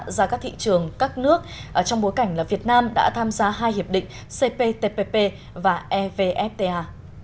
ra các thị trường các nước trong bối cảnh việt nam đã tham gia hai hiệp định cptpp và evfta